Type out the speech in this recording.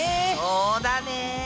そうだね。